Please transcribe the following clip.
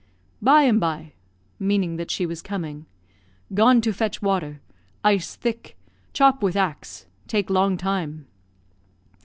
"By and by. (Meaning that she was coming.) Gone to fetch water ice thick chop with axe take long time."